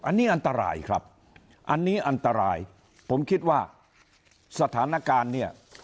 อันนี้อันตรายครับอันนี้อันตรายผมคิดว่าสถานการณ์เนี่ย